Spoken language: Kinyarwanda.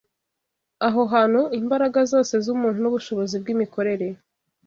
Aho hantu, imbaraga zose z’umuntu n’ubushobozi bw’imikorere